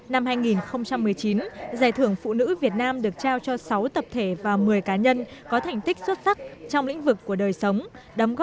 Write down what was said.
năm hai nghìn một mươi chín giải thưởng phụ nữ việt nam được trao cho sáu tập thể và một mươi cá nhân có thành tích xuất sắc trong lĩnh vực của đời sống